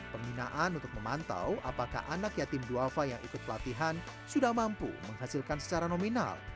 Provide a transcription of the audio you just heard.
pembinaan untuk memantau apakah anak yatim duafa yang ikut pelatihan sudah mampu menghasilkan secara nominal